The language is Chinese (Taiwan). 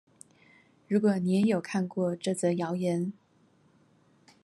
如果你也有看過這則謠言